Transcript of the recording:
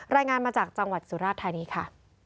รายงานมาจากจังหวัดสุราชธานีค่ะ